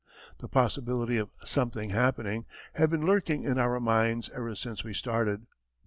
The possibility of "something happening" had been lurking in our minds ever since we started.